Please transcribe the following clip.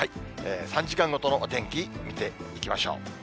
３時間ごとのお天気、見ていきましょう。